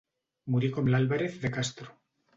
Morir com l'Álvarez de Castro.